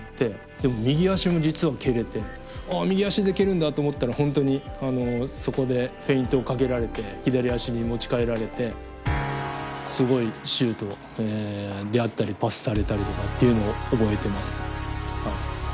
でも右足も実は蹴れて「あ右足で蹴るんだ」と思ったら本当にそこでフェイントをかけられて左足に持ち替えられてすごいシュートであったりパスされたりとかというのを覚えてます。